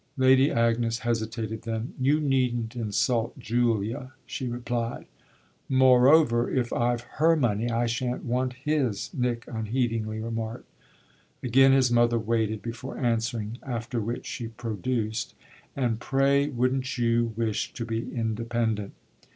Lady Agnes hesitated; then "You needn't insult Julia!" she replied. "Moreover, if I've her money I shan't want his," Nick unheedingly remarked. Again his mother waited before answering; after which she produced: "And pray wouldn't you wish to be independent?"